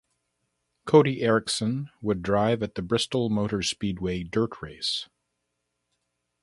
Cody Erickson would drive at the Bristol Motor Speedway dirt race.